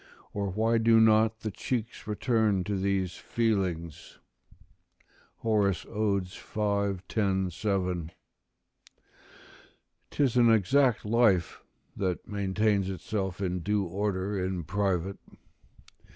or why do not the cheeks return to these feelings?" Horace, Od., v. 10, 7.] 'Tis an exact life that maintains itself in due order in private.